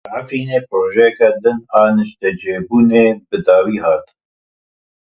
Li Efrînê projeyeke din a niştecîbûnê bi dawî hat.